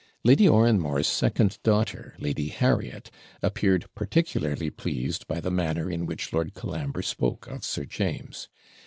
Lady Oranmore's second daughter, Lady Harriet, appeared particularly pleased by the manner in which Lord Colambre spoke of Sir James.